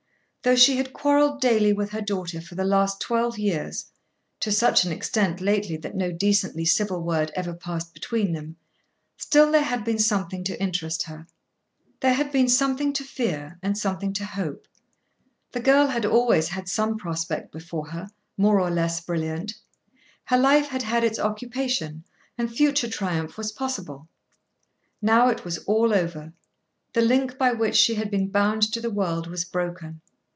Though she had quarrelled daily with her daughter for the last twelve years, to such an extent lately that no decently civil word ever passed between them, still there had been something to interest her. There had been something to fear and something to hope. The girl had always had some prospect before her, more or less brilliant. Her life had had its occupation, and future triumph was possible. Now it was all over. The link by which she had been bound to the world was broken.